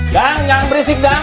dang jangan berisik dang